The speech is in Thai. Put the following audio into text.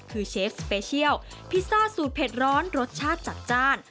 คือเชฟสเปเชียลพิซซ่าสูตรเผ็ดร้อนรสชาติจัดจ้าน